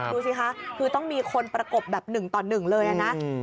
ดูสิคะคือต้องมีคนประกบแบบหนึ่งต่อหนึ่งเลยนะ